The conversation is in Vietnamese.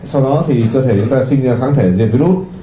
sau đó thì cơ thể chúng ta sinh ra kháng thể diệt virus